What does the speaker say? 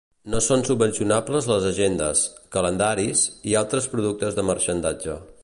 No són subvencionables les agendes, calendaris i altres productes de marxandatge.